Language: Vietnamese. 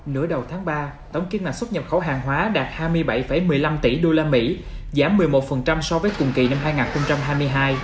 nửa đầu tháng ba tổng kim ngạch xuất nhập khẩu hàng hóa đạt hai mươi bảy một mươi năm tỷ usd giảm một mươi một so với cùng kỳ năm hai nghìn hai mươi hai